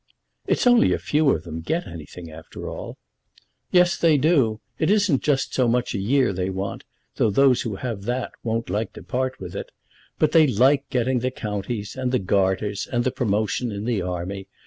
"It's only a few of them get anything, after all." "Yes, they do. It isn't just so much a year they want, though those who have that won't like to part with it. But they like getting the counties, and the Garters, and the promotion in the army.